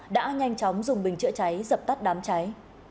đã nhanh chóng dùng bình chữa cháy dập tắt đám cháy